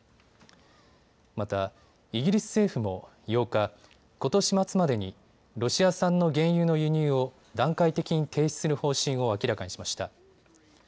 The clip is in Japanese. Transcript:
また、イギリス政府も８日、ことし末までにロシア産の原油の輸入を段階的に停止する方針を明らかにしました。